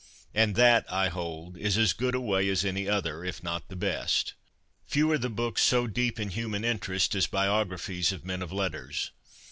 And that, I hold, is as good a way as any other — if not the best. Few are the books so deep in human interest as biographies of men of letters.